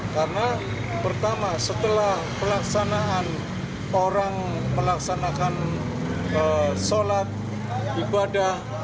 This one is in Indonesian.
karena pertama setelah pelaksanaan orang melaksanakan sholat ibadah